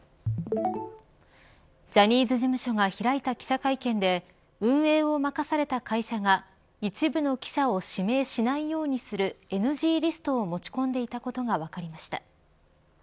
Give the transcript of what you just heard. ジャニーズ事務所が開いた記者会見で運営を任された会社が、一部の記者を指名しないようにするＮＧリストを持ち込んでいたことが分かりました。